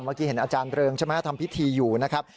เมื่อกี้เห็นอาจารย์เริงใช่ไหมทำพิธีอยู่นะครับ